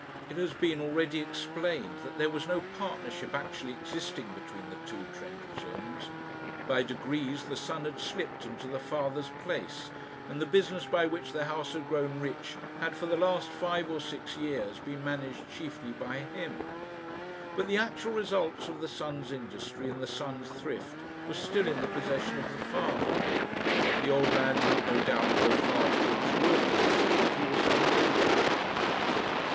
It has been already explained that there was no partnership actually existing between the two Trendellsohns. By degrees the son had slipt into the father's place, and the business by which the house had grown rich had for the last five or six years been managed chiefly by him. But the actual results of the son's industry and the son's thrift were still in the possession of the father. The old man might no doubt go far towards ruining his son if he were so minded.